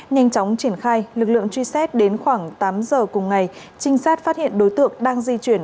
nhanh chóng triển khai lực lượng truy xét đến khoảng tám giờ cùng ngày trinh sát phát hiện đối tượng đang di chuyển